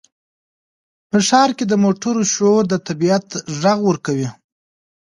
په ښار کې د موټرو شور د طبیعت غږ ورکوي.